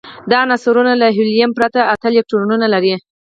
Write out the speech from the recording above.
دا عنصرونه له هیلیوم پرته اته الکترونونه لري.